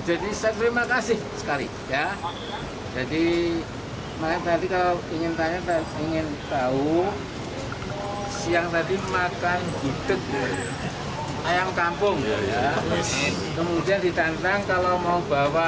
masih timbul masih timbul tapi kalau terlalu banyak kan nggak cukup